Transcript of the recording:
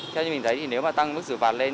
theo như mình thấy thì nếu mà tăng mức xử phạt lên